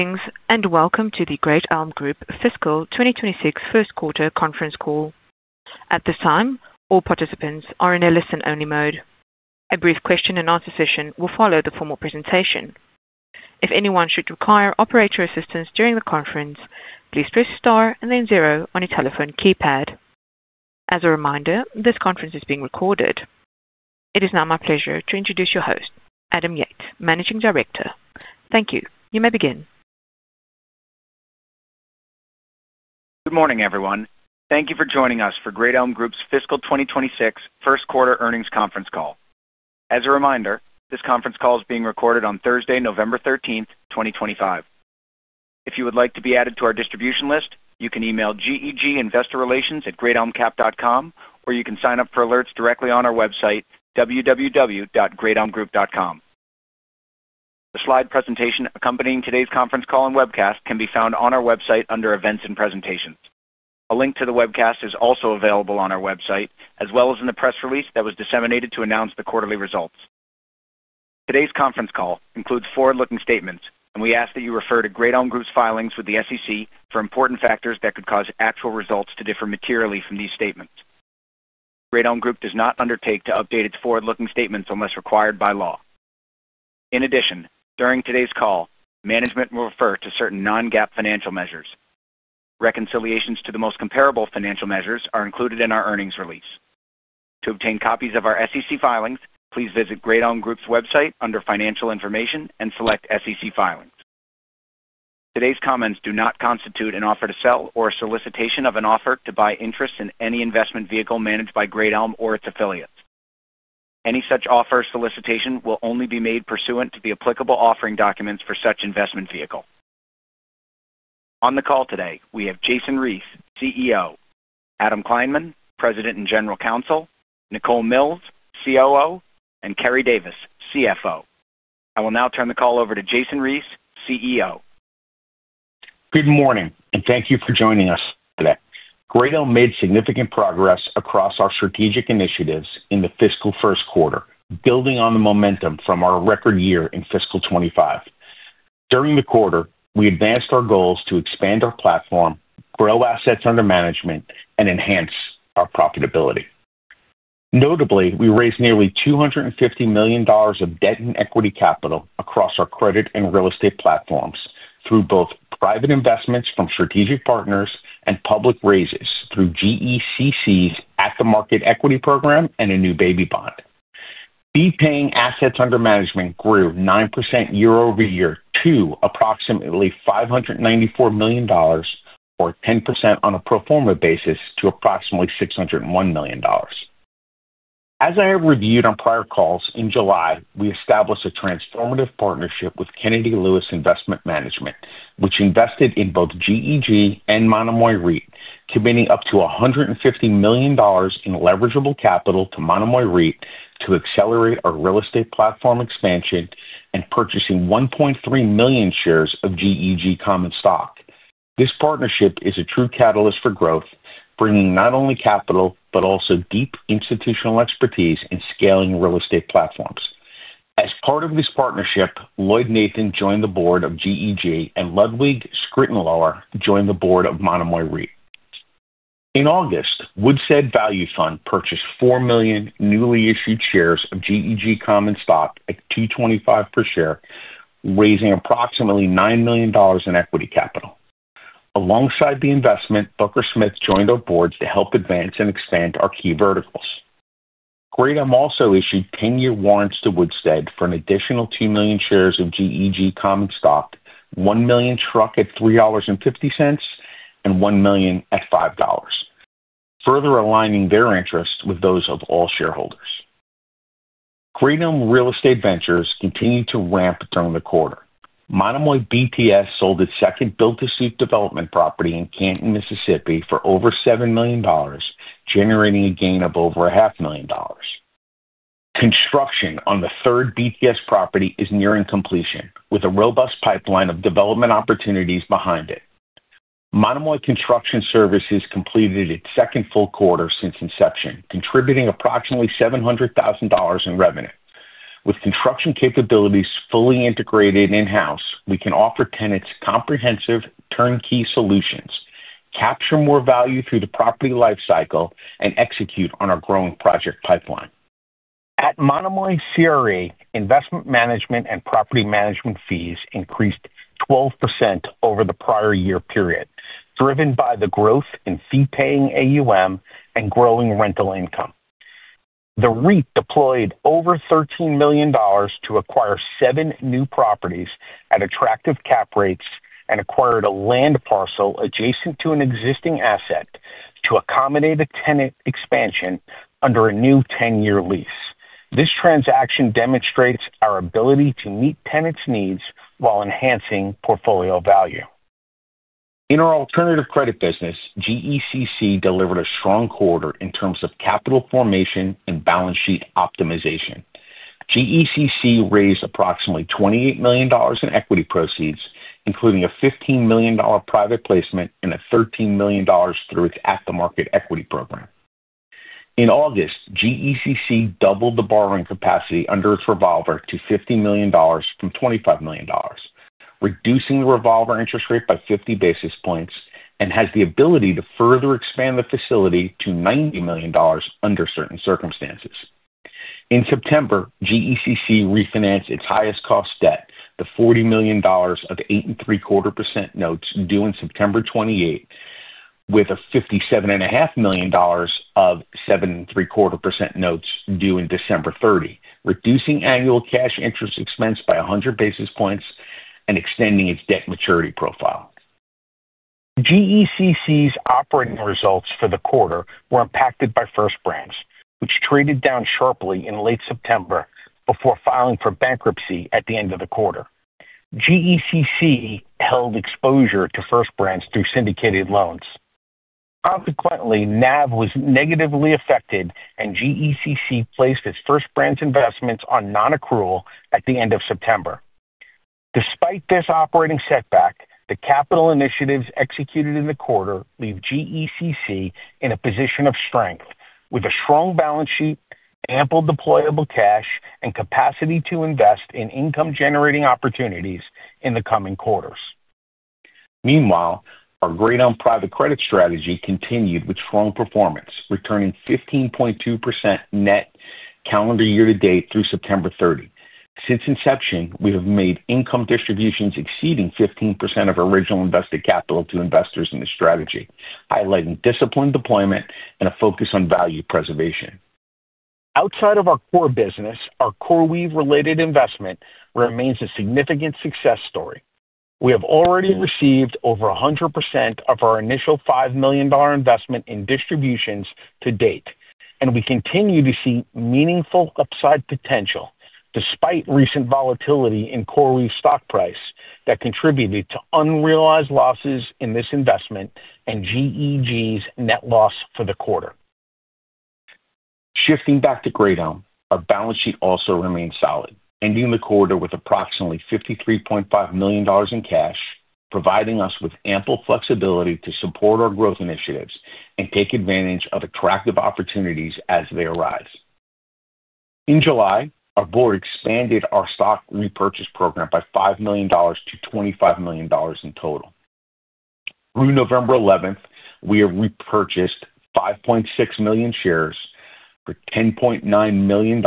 Greetings and welcome to the Great Elm Group Fiscal 2026 First Quarter Conference Call. At this time, all participants are in a listen-only mode. A brief question-and-answer session will follow the formal presentation. If anyone should require operator assistance during the conference, please press star and then zero on your telephone keypad. As a reminder, this conference is being recorded. It is now my pleasure to introduce your host, Adam Yates, Managing Director. Thank you. You may begin. Good morning, everyone. Thank you for joining us for Great Elm Group's Fiscal 2026 First Quarter Earnings Conference Call. As a reminder, this conference call is being recorded on Thursday, November 13, 2025. If you would like to be added to our distribution list, you can email GEG Investor Relations at greatelmcap.com, or you can sign up for alerts directly on our website, www.greatelmgroup.com. The slide presentation accompanying today's conference call and webcast can be found on our website under Events and Presentations. A link to the webcast is also available on our website, as well as in the press release that was disseminated to announce the quarterly results. Today's conference call includes forward-looking statements, and we ask that you refer to Great Elm Group's filings with the SEC for important factors that could cause actual results to differ materially from these statements. Great Elm Group does not undertake to update its forward-looking statements unless required by law. In addition, during today's call, management will refer to certain non-GAAP financial measures. Reconciliations to the most comparable financial measures are included in our earnings release. To obtain copies of our SEC filings, please visit Great Elm Group's website under Financial Information and select SEC Filings. Today's comments do not constitute an offer to sell or a solicitation of an offer to buy interests in any investment vehicle managed by Great Elm or its affiliates. Any such offer or solicitation will only be made pursuant to the applicable offering documents for such investment vehicle. On the call today, we have Jason Reese, CEO, Adam Kleinman, President and General Counsel, Nicole Mills, COO, and Keri Davis, CFO. I will now turn the call over to Jason Reese, CEO. Good morning, and thank you for joining us today. Great Elm made significant progress across our strategic initiatives in the fiscal first quarter, building on the momentum from our record year in fiscal 2025. During the quarter, we advanced our goals to expand our platform, grow assets under management, and enhance our profitability. Notably, we raised nearly $250 million of debt and equity capital across our credit and real estate platforms through both private investments from strategic partners and public raises through GECC's At the Market Equity Program and a new baby bond. Fee-paying assets under management grew 9% year over year to approximately $594 million, or 10% on a pro forma basis to approximately $601 million. As I have reviewed on prior calls, in July, we established a transformative partnership with Kennedy Lewis Investment Management, which invested in both GEG and Monomoy REIT, committing up to $150 million in leverageable capital to Monomoy REIT to accelerate our real estate platform expansion and purchasing 1.3 million shares of GEG common stock. This partnership is a true catalyst for growth, bringing not only capital but also deep institutional expertise in scaling real estate platforms. As part of this partnership, Lloyd Nathan joined the board of GEG, and Ludwig Skritenlauer joined the board of Monomoy REIT. In August, Woodstead Value Fund purchased 4 million newly issued shares of GEG common stock at $2.25 per share, raising approximately $9 million in equity capital. Alongside the investment, Booker Smith joined our boards to help advance and expand our key verticals. Great Elm also issued 10-year warrants to Woodstead for an additional 2 million shares of GEG common stock, 1 million struck at $3.50, and 1 million at $5, further aligning their interests with those of all shareholders. Great Elm Real Estate Ventures continued to ramp during the quarter. Monomoy BTS sold its second built-to-suit development property in Canton, Mississippi, for over $7 million, generating a gain of over $500,000. Construction on the third BTS property is nearing completion, with a robust pipeline of development opportunities behind it. Monomoy Construction Services completed its second full quarter since inception, contributing approximately $700,000 in revenue. With construction capabilities fully integrated in-house, we can offer tenants comprehensive turnkey solutions, capture more value through the property life cycle, and execute on our growing project pipeline. At Monomoy CRE, investment management and property management fees increased 12% over the prior year period, driven by the growth in fee-paying AUM and growing rental income. The REIT deployed over $13 million to acquire seven new properties at attractive cap rates and acquired a land parcel adjacent to an existing asset to accommodate a tenant expansion under a new 10-year lease. This transaction demonstrates our ability to meet tenants' needs while enhancing portfolio value. In our alternative credit business, GECC delivered a strong quarter in terms of capital formation and balance sheet optimization. GECC raised approximately $28 million in equity proceeds, including a $15 million private placement and $13 million through its At the Market Equity Program. In August, GECC doubled the borrowing capacity under its revolver to $50 million from $25 million, reducing the revolver interest rate by 50 basis points and has the ability to further expand the facility to $90 million under certain circumstances. In September, GECC refinanced its highest-cost debt, the $40 million of 8.75% notes due on September 28, with a $57.5 million of 7.75% notes due on December 30, reducing annual cash interest expense by 100 basis points and extending its debt maturity profile. GECC's operating results for the quarter were impacted by First Branch, which traded down sharply in late September before filing for bankruptcy at the end of the quarter. GECC held exposure to First Branch through syndicated loans. Consequently, NAV was negatively affected, and GECC placed its First Branch investments on non-accrual at the end of September. Despite this operating setback, the capital initiatives executed in the quarter leave GECC in a position of strength, with a strong balance sheet, ample deployable cash, and capacity to invest in income-generating opportunities in the coming quarters. Meanwhile, our Great Elm Private Credit strategy continued with strong performance, returning 15.2% net calendar year to date through September 30. Since inception, we have made income distributions exceeding 15% of original invested capital to investors in this strategy, highlighting disciplined deployment and a focus on value preservation. Outside of our core business, our CoreWeave-related investment remains a significant success story. We have already received over 100% of our initial $5 million investment in distributions to date, and we continue to see meaningful upside potential despite recent volatility in CoreWeave's stock price that contributed to unrealized losses in this investment and GEG's net loss for the quarter. Shifting back to Great Elm, our balance sheet also remains solid, ending the quarter with approximately $53.5 million in cash, providing us with ample flexibility to support our growth initiatives and take advantage of attractive opportunities as they arise. In July, our board expanded our stock repurchase program by $5 million to $25 million in total. Through November 11, we have repurchased 5.6 million shares for $10.9 million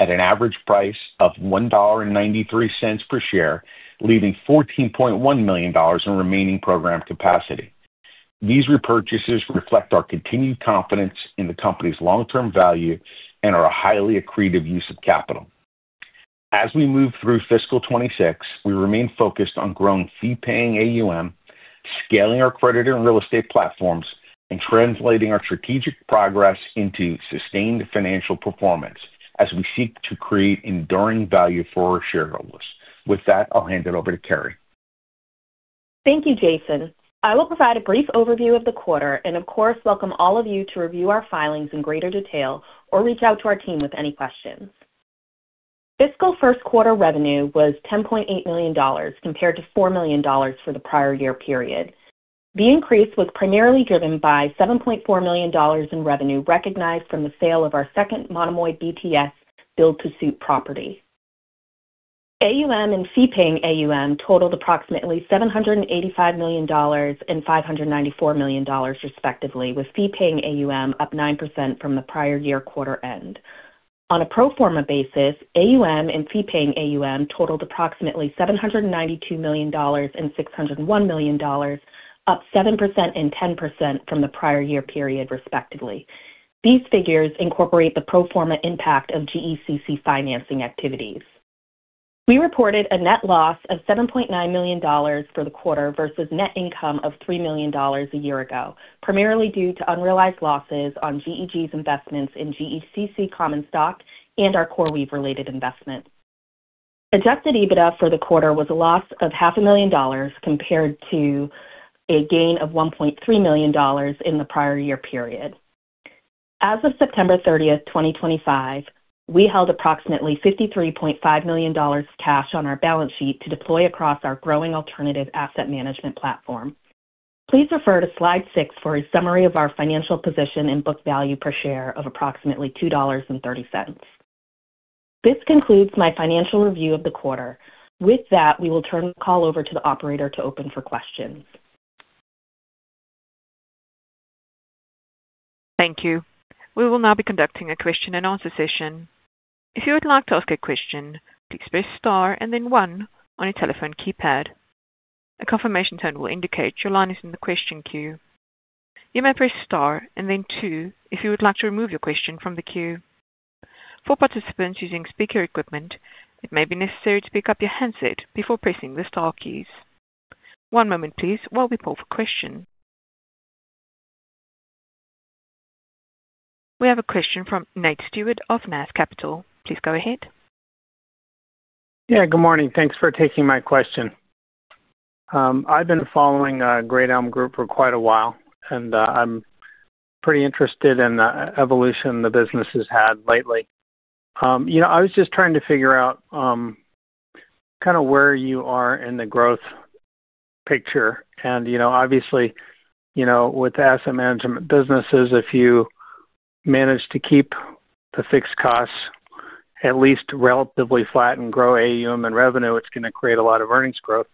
at an average price of $1.93 per share, leaving $14.1 million in remaining program capacity. These repurchases reflect our continued confidence in the company's long-term value and are a highly accretive use of capital. As we move through fiscal 2026, we remain focused on growing fee-paying AUM, scaling our credit and real estate platforms, and translating our strategic progress into sustained financial performance as we seek to create enduring value for our shareholders. With that, I'll hand it over to Keri. Thank you, Jason. I will provide a brief overview of the quarter and, of course, welcome all of you to review our filings in greater detail or reach out to our team with any questions. Fiscal first quarter revenue was $10.8 million compared to $4 million for the prior year period. The increase was primarily driven by $7.4 million in revenue recognized from the sale of our second Monomoy BTS built-to-suit property. AUM and fee-paying AUM totaled approximately $785 million and $594 million, respectively, with fee-paying AUM up 9% from the prior year quarter end. On a pro forma basis, AUM and fee-paying AUM totaled approximately $792 million and $601 million, up 7% and 10% from the prior year period, respectively. These figures incorporate the pro forma impact of GECC financing activities. We reported a net loss of $7.9 million for the quarter versus net income of $3 million a year ago, primarily due to unrealized losses on GEG's investments in GECC common stock and our CoreWeave-related investments. Adjusted EBITDA for the quarter was a loss of $500,000 compared to a gain of $1.3 million in the prior year period. As of September 30, 2025, we held approximately $53.5 million cash on our balance sheet to deploy across our growing alternative asset management platform. Please refer to slide 6 for a summary of our financial position and book value per share of approximately $2.30. This concludes my financial review of the quarter. With that, we will turn the call over to the operator to open for questions. Thank you. We will now be conducting a question and answer session. If you would like to ask a question, please press star and then one on your telephone keypad. A confirmation tone will indicate your line is in the question queue. You may press star and then two if you would like to remove your question from the queue. For participants using speaker equipment, it may be necessary to pick up your handset before pressing the star keys. One moment, please, while we pull for questions. We have a question from Nate Stewart of NAS Capital. Please go ahead. Yeah, good morning. Thanks for taking my question. I've been following Great Elm Group for quite a while, and I'm pretty interested in the evolution the business has had lately. I was just trying to figure out kind of where you are in the growth picture. Obviously, with asset management businesses, if you manage to keep the fixed costs at least relatively flat and grow AUM and revenue, it's going to create a lot of earnings growth.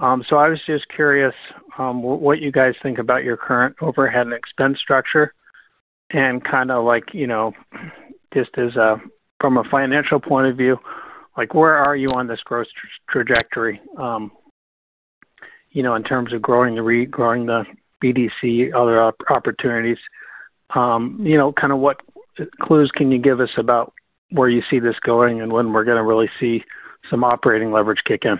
I was just curious what you guys think about your current overhead and expense structure and kind of just from a financial point of view, where are you on this growth trajectory in terms of growing the REIT, growing the BDC, other opportunities? Kind of what clues can you give us about where you see this going and when we're going to really see some operating leverage kick in?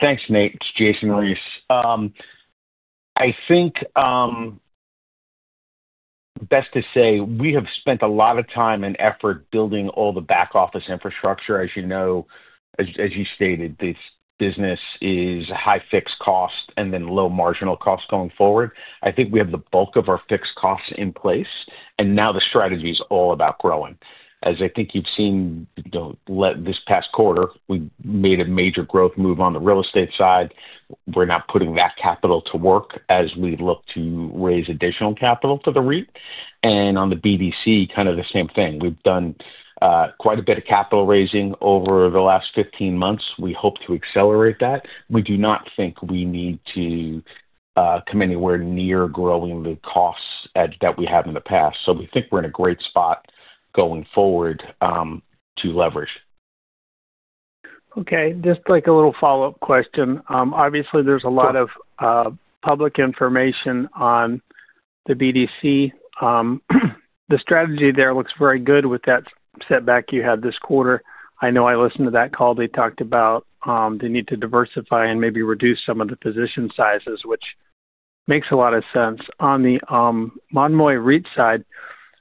Thanks, Nate. It's Jason Reese. I think best to say we have spent a lot of time and effort building all the back-office infrastructure. As you know, as you stated, this business is high fixed cost and then low marginal cost going forward. I think we have the bulk of our fixed costs in place, and now the strategy is all about growing. As I think you've seen this past quarter, we made a major growth move on the real estate side. We're now putting that capital to work as we look to raise additional capital for the REIT. On the BDC, kind of the same thing. We've done quite a bit of capital raising over the last 15 months. We hope to accelerate that. We do not think we need to come anywhere near growing the costs that we have in the past. We think we're in a great spot going forward to leverage. Okay. Just like a little follow-up question. Obviously, there's a lot of public information on the BDC. The strategy there looks very good with that setback you had this quarter. I know I listened to that call. They talked about the need to diversify and maybe reduce some of the position sizes, which makes a lot of sense. On the Monomoy REIT side,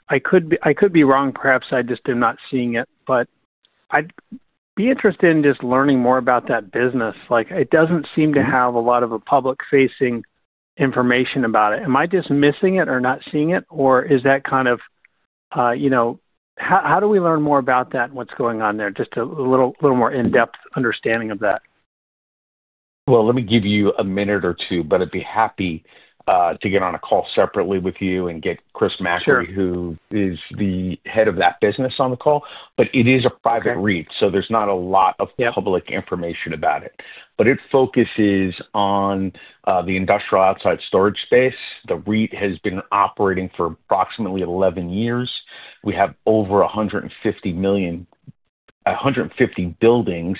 I could be wrong. Perhaps I just am not seeing it. But I'd be interested in just learning more about that business. It doesn't seem to have a lot of public-facing information about it. Am I just missing it or not seeing it, or is that kind of how do we learn more about that and what's going on there? Just a little more in-depth understanding of that. Let me give you a minute or two, but I'd be happy to get on a call separately with you and get Chris Mackery, who is the head of that business, on the call. It is a private REIT, so there's not a lot of public information about it. It focuses on the industrial outside storage space. The REIT has been operating for approximately 11 years. We have over 150 buildings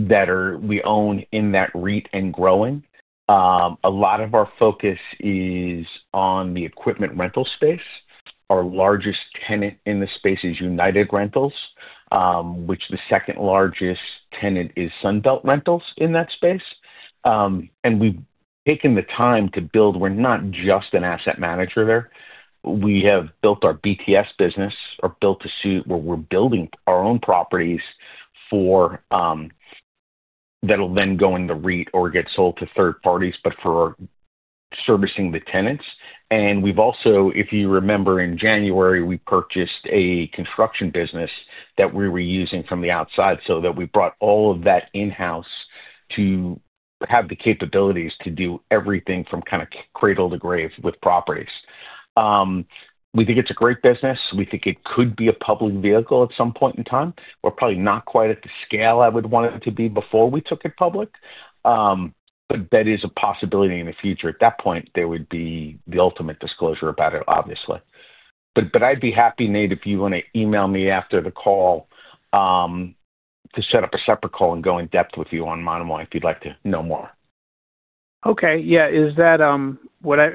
that we own in that REIT and growing. A lot of our focus is on the equipment rental space. Our largest tenant in the space is United Rentals, which the second largest tenant is Sunbelt Rentals in that space. We've taken the time to build. We're not just an asset manager there. We have built our BTS business, or built-to-suit, where we're building our own properties that will then go in the REIT or get sold to third parties, for servicing the tenants. If you remember, in January, we purchased a construction business that we were using from the outside, so we brought all of that in-house to have the capabilities to do everything from kind of cradle to grave with properties. We think it's a great business. We think it could be a public vehicle at some point in time. We're probably not quite at the scale I would want it to be before we took it public. That is a possibility in the future. At that point, there would be the ultimate disclosure about it, obviously. I'd be happy, Nate, if you want to email me after the call to set up a separate call and go in depth with you on Monomoy if you'd like to know more. Okay. Yeah. If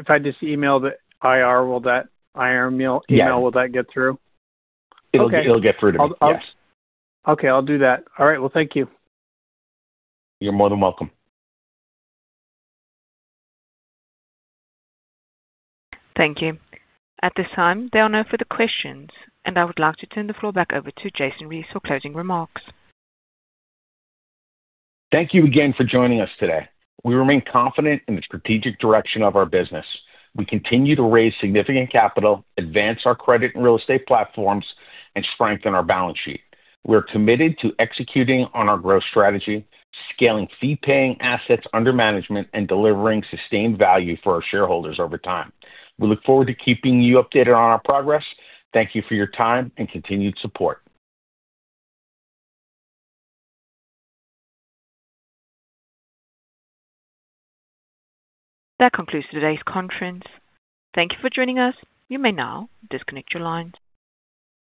I just email the IR, will that IR email get through? It'll get through to me. Okay. I'll do that. All right. Thank you. You're more than welcome. Thank you. At this time, there are no further questions, and I would like to turn the floor back over to Jason Reese for closing remarks. Thank you again for joining us today. We remain confident in the strategic direction of our business. We continue to raise significant capital, advance our credit and real estate platforms, and strengthen our balance sheet. We are committed to executing on our growth strategy, scaling fee-paying assets under management, and delivering sustained value for our shareholders over time. We look forward to keeping you updated on our progress. Thank you for your time and continued support. That concludes today's conference. Thank you for joining us. You may now disconnect your lines.